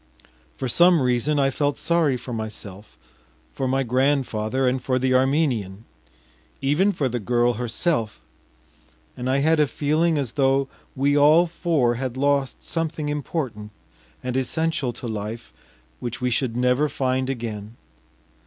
For some reason I felt sorry for myself, for my grandfather and for the Armenian, even for the girl herself, and I had a feeling as though we all four had lost something important and essential to life which we should never find again.